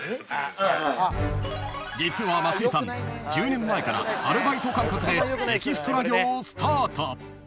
１０年前からアルバイト感覚でエキストラ業をスタート］